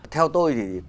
theo tôi thì